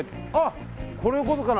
これのことかな？